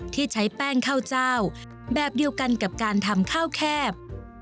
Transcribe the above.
ที่ใช้แป้งข้าวเจ้าแบบเดียวกันกับการทำข้าวแคบ